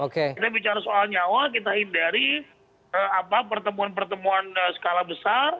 kita bicara soal nyawa kita hindari pertemuan pertemuan skala besar